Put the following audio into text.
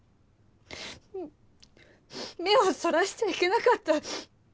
目をそらしちゃいけなかった！